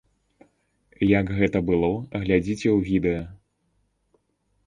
Як гэта было, глядзіце ў відэа.